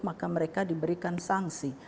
maka mereka diberikan sanksi